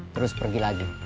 terus pergi lagi